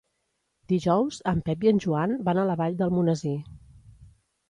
Dijous en Pep i en Joan van a la Vall d'Almonesir.